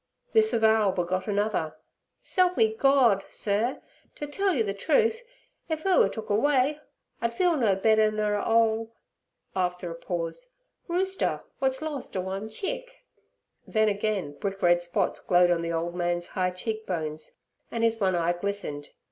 This avowal begot another. 'S'elp me Gord, sur, ter tell yer the truth, if 'er were took away I'd feel no better nur a 'ole'—after a pause—'rooster w'at's lorst 'er one chick!' Then again brick red spots glowed on the old man's high cheek bones, and his one eye glistened.